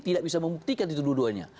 tidak bisa membuktikan itu dua duanya